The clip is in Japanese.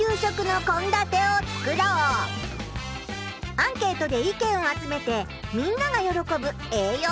アンケートで意見を集めてみんながよろこぶえいよう